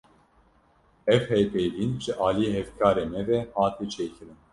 Ev hevpeyvîn, ji aliyê hevkarê me ve hate çêkirin